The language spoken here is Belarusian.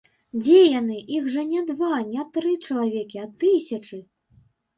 Дзе яны, іх жа не два, не тры чалавекі, а тысячы?